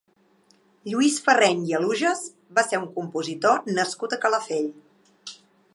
Lluís Farreny i Alujas va ser un compositor nascut a Calafell.